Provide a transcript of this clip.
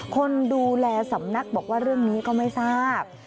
คนดูแลสำนักบอกว่าเรื่องนี้ก็ไม่ทราบ